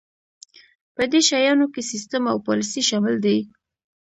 په دې شیانو کې سیستم او پالیسي شامل دي.